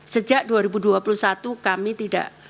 sejak dua ribu dua puluh satu kami tidak